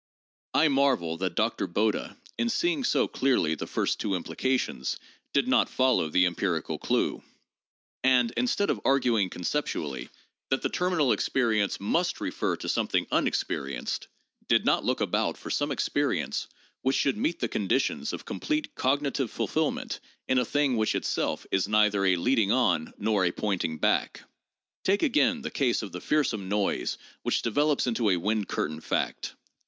I marvel that Dr. Bode, in seeing so clearly the first two implications, did not fol low the empirical clue ; and, instead of arguing conceptually that the ^ol. II., No. 15, p. 393. 2 Vol. II., No. 24, p. 658. 708 THE JOURNAL OF PHILOSOPHY terminal experience must refer to something unexperienced, did not look about for some experience which should meet the conditions of complete cognitive fulfillment in a thing which itself is neither a 'leading on' nor a 'pointing back.' Take again the case of the fearsome noise which develops into a wind curtain fact.